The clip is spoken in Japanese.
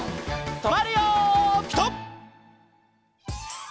とまるよピタ！